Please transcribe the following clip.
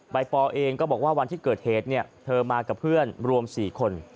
ปอเองก็บอกว่าวันที่เกิดเหตุเธอมากับเพื่อนรวม๔คน